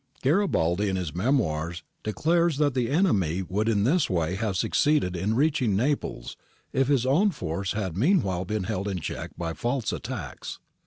Garibaldi in his memoirs declares that the enemy would in this way have succeeded in reaching Naples if his own force had mean while been held in check by false attacks.